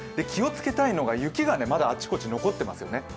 気をつけたいのが、雪がまだあちこち、残ってますよね